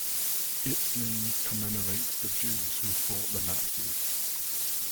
Its name commemorates the Jews who fought the Nazis.